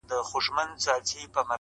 هغه مي سايلينټ سوي زړه ته.